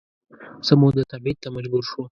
څه موده تبعید ته مجبور شو